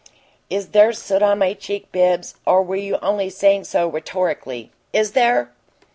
"IS there soot on my cheek, Bibbs, or were you only saying so rhetorically? IS there?"